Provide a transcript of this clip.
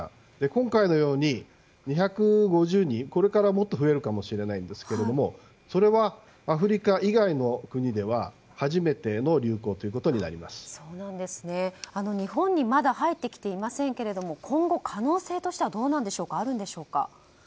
今回のように２５０人これからもっと増えるかもしれないんですがそれはアフリカ以外の国では初めての流行ということに日本にまだ入ってきていませんけど今後、可能性としてはあるんでしょうか。